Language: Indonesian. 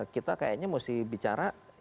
kita kayaknya mesti bicara